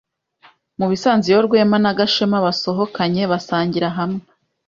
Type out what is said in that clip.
Mubisanzwe iyo Rwema na Gashema basohokanye basangira hamwe,